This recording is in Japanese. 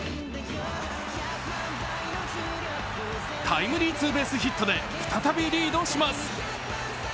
タイムリーツーベースヒットで再びリードします。